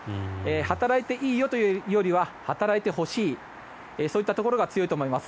働いていいよというよりは働いてほしいそういったところが強いと思います。